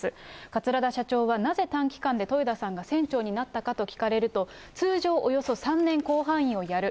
桂田社長は、なぜ短期間で豊田さんが船長になったかと聞かれると、通常およそ３年、甲板員をやる。